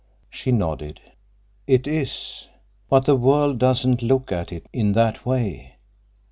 She nodded. "It is. But the world doesn't look at it in that way.